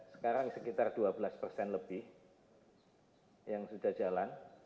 sekarang sekitar dua belas persen lebih yang sudah jalan